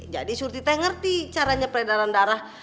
jadi surti teh ngerti caranya peredaran darah